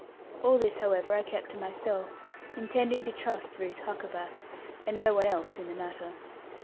All this, however, I kept to myself, intending to trust Ruth Huckaback, and no one else in the matter.